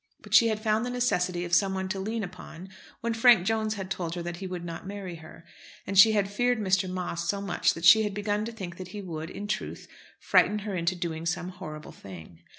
But she had found the necessity of someone to lean upon when Frank Jones had told her that he would not marry her, and she had feared Mr. Moss so much that she had begun to think that he would, in truth, frighten her into doing some horrible thing.